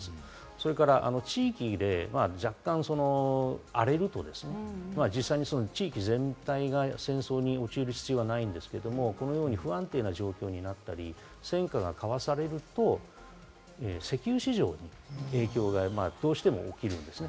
それから地域で若干、荒れると地域全体が戦争に陥る必要はないですけれども、このように不安定な状況になったり、戦火が交わされると石油市場に影響がどうしても起きるんですね。